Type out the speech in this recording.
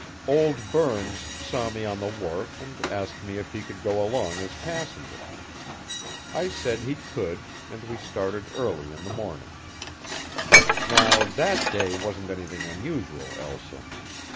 "Old Burns saw me on the wharf and asked if he could go along as passenger. I said he could, and we started early in the morning. Now that day wasn't anything unusual, Elsa.